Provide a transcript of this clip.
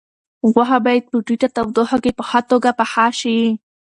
غوښه باید په ټیټه تودوخه کې په ښه توګه پخه شي.